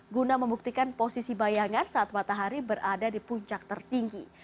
guna membuktikan posisi bayangan saat matahari berada di puncak tertinggi